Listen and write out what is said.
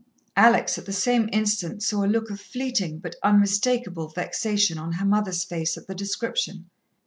Alex at the same instant saw a look of fleeting, but unmistakable vexation on her mother's face at the description.